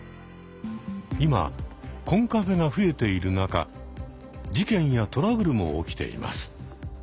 今コンカフェが増えている中事件やトラブルも起きています。